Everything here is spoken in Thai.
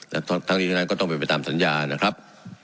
และทั้งนี้ทั้งนั้นก็ต้องเป็นไปตามสัญญานะครับ